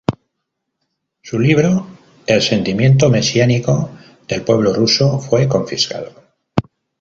Su libro "El sentimiento mesiánico del pueblo ruso" fue confiscado.